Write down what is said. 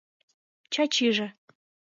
Чачиже...